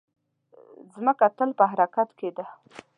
مځکه تل په حرکت کې ده.